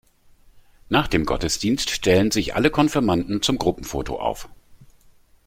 Nach dem Gottesdienst stellen sich alle Konfirmanden zum Gruppenfoto auf.